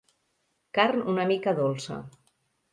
Carn una mica dolça.